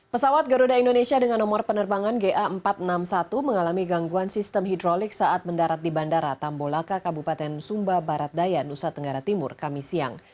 pesawat garuda indonesia dengan nomor penerbangan ga empat ratus enam puluh satu mengalami gangguan sistem hidrolik saat mendarat di bandara tambolaka kabupaten sumba barat daya nusa tenggara timur kami siang